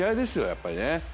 やっぱりね。